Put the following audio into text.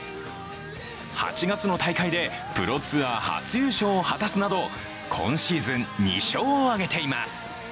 ８月の大会でプロツアー初優勝を果たすなど今シーズン２勝を挙げています。